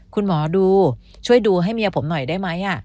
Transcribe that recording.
คุณหมอดูช่วยดูให้เมียผมหน่อยได้ไหม